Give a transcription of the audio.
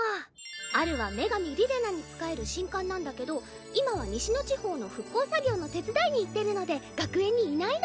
アルは女神リレナに仕える神官なんだけど今は西の地方の復興作業の手伝いに行ってるので学園にいないの。